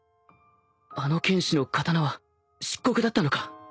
あの剣士の刀は漆黒だったのか？